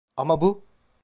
Ama bu...